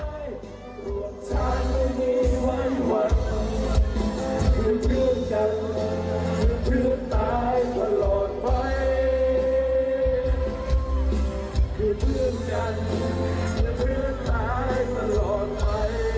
ทีมงานร้องเพลงร้องเพลงเราและนายของเสกโล